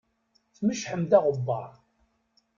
Tmecḥem-d aɣebbar.